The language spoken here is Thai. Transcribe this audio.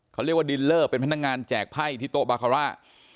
เขาเรียกว่าดินเลอร์เป็นพนักงานแจกไพ่ที่โต๊ะบาคาร่า